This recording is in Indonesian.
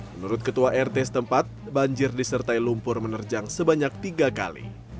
menurut ketua rt setempat banjir disertai lumpur menerjang sebanyak tiga kali